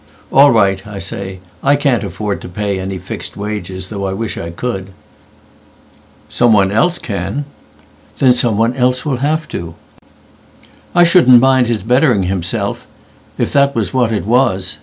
''All right,' I say, 'I can't afford to payAny fixed wages, though I wish I could.''Someone else can.' 'Then someone else will have to.'I shouldn't mind his bettering himselfIf that was what it was.